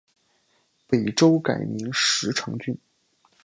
北周改名石城郡。